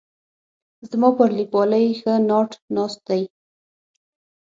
زما پر لیکوالۍ ښه ناټ ناست دی.